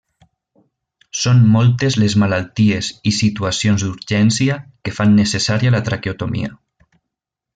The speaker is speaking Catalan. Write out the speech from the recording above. Són moltes les malalties i situacions d'urgència que fan necessària la traqueotomia.